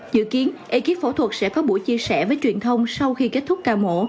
dự kiến ekip phẫu thuật sẽ có buổi chia sẻ với truyền thông sau khi kết thúc ca mổ